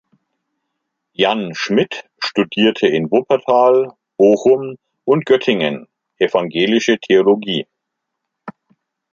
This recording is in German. Jann Schmidt studierte in Wuppertal, Bochum und Göttingen Evangelische Theologie.